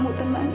udah ada matanya